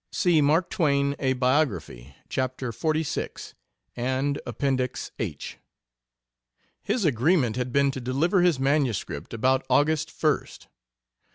[See Mark Twain: A Biography, chap xlvi, and Appendix H.] His agreement had been to deliver his MS. about August 1st.